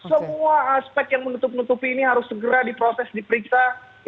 semua aspek yang menutup nutupi ini harus segera diproses diperiksa